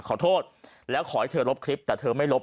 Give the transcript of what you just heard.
ขอโทษแล้วขอให้เธอลบคลิปแต่เธอไม่ลบ